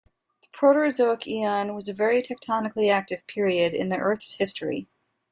The Proterozoic Eon was a very tectonically active period in the Earth's history.